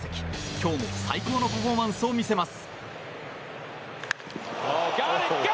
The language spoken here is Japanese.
今日も最高のパフォーマンスを見せます。